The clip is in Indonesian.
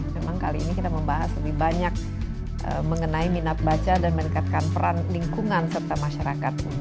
memang kali ini kita membahas lebih banyak mengenai minat baca dan meningkatkan peran lingkungan serta masyarakat